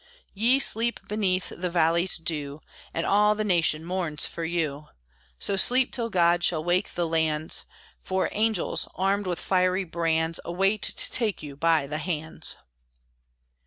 Ye sleep beneath the valley's dew, And all the nation mourns for you; So sleep till God shall wake the lands! For angels, armed with fiery brands, Await to take you by the hands.